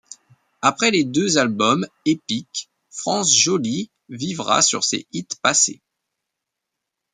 Après les deux albums Epic, France Joli vivra sur ses hits passés.